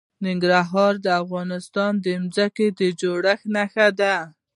ننګرهار د افغانستان د ځمکې د جوړښت نښه ده.